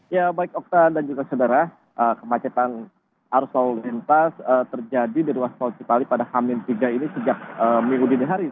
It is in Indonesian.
ya baik okta dan juga saudara kemacetan arus lalu lintas terjadi di ruas tol cipali pada hamin tiga ini sejak minggu dini hari